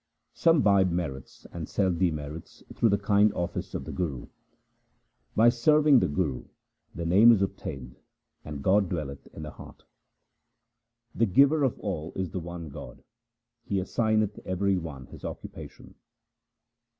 Some buy merits and sell demerits through the kind office of the Guru. By serving the Guru the Name is obtained and God dwelleth in the heart. The Giver of all is the one God, He assigneth every one his occupation.